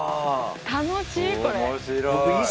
楽しいこれ。